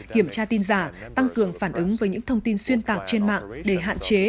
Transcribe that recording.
kiểm tra tin giả tăng cường phản ứng với những thông tin xuyên tạc trên mạng để hạn chế